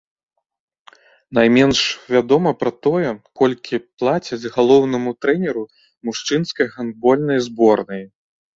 Найменш вядома пра тое, колькі плацяць галоўнаму трэнеру мужчынскай гандбольнай зборнай.